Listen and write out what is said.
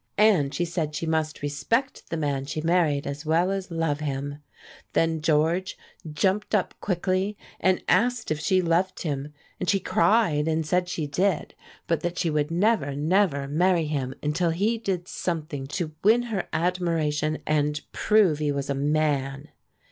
And she said she must respect the man she married as well as love him. Then George jumped up quickly and asked if she loved him, and she cried and said she did, but that she would never, never marry him until he did something to win her admiration and prove he was a man.